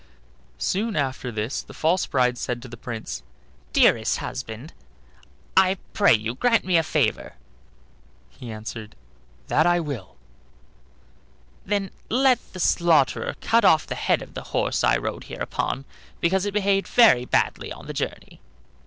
Soon after this the false bride said to the Prince: "Dearest husband, I pray you grant me a favor." He answered: "That I will." "Then let the slaughterer cut off the head of the horse I rode here upon, because it behaved very badly on the journey."